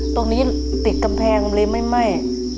ตรงนี้ติดกำแพงเลยไม่ไหม้